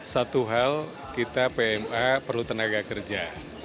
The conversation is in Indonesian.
satu hal kita pma perlu tenaga kerja